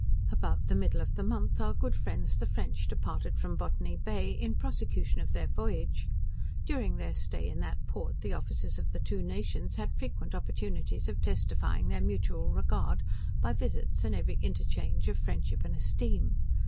About the middle of the month our good friends the French departed from Botany Bay, in prosecution of their voyage. During their stay in that port, the officers of the two nations had frequent opportunities of testifying their mutual regard by visits, and every interchange of friendship and esteem.